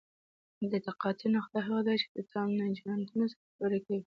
د تقاطع نقطه هغه ده چې تانجانتونه سره پرې کوي